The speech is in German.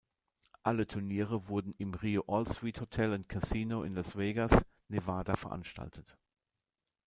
Alle Turniere wurden im Rio All-Suite Hotel and Casino in Las Vegas, Nevada veranstaltet.